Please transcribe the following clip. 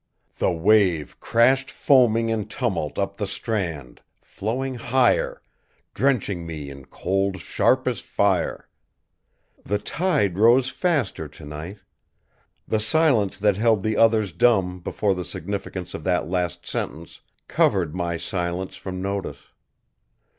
'" The wave crashed foaming in tumult up the strand, flowing higher, drenching me in cold sharp as fire. The tide rose faster tonight. The silence that held the others dumb before the significance of that last sentence covered my silence from notice.